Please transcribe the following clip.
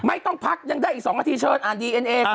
ไม่ต้องพักยังได้อีก๒นาทีเชิญอ่านดีเอ็นเอ